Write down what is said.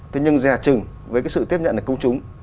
thế nhưng giả trừng với sự tiếp nhận của công chúng